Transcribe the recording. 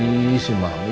ih si mami